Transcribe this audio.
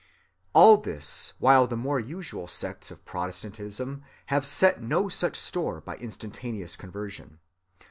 All this while the more usual sects of Protestantism have set no such store by instantaneous conversion.